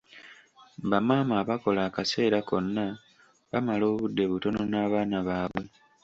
Bamaama abakola akaseera konna bamala obudde butono n'abaana baabwe.